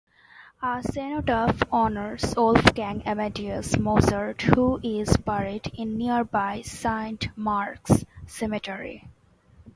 A cenotaph honours Wolfgang Amadeus Mozart, who is buried in nearby Saint Marx Cemetery.